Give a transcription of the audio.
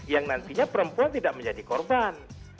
yang nantinya perempuan tidak menjadi korban